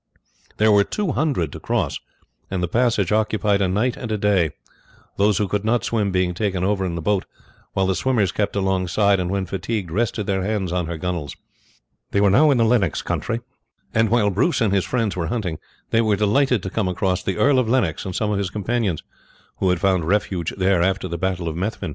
There were two hundred to cross, and the passage occupied a night and a day; those who could not swim being taken over in the boat, while the swimmers kept alongside and when fatigued rested their hands on her gunwales. They were now in the Lennox country, and while Bruce and his friends were hunting, they were delighted to come across the Earl of Lennox and some of his companions, who had found refuge there after the battle of Methven.